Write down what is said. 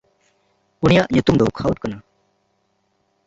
ᱩᱱᱤᱭᱟᱜ ᱧᱩᱛᱩᱢ ᱫᱚ ᱠᱷᱚᱣᱟᱴ ᱠᱟᱱᱟ᱾